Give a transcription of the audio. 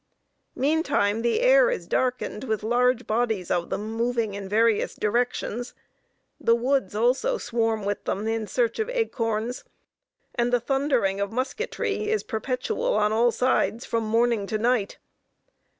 Meantime the air is darkened with large bodies of them moving in various directions; the woods also swarm with them in search of acorns; and the thundering of musketry is perpetual on all sides from morning to night.